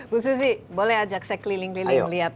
bu susi boleh ajak saya keliling keliling lihat